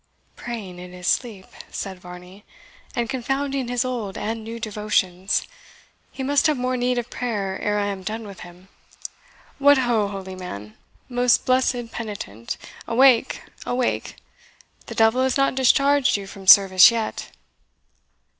"Praying in his sleep," said Varney, "and confounding his old and new devotions. He must have more need of prayer ere I am done with him. What ho! holy man, most blessed penitent! awake awake! The devil has not discharged you from service yet."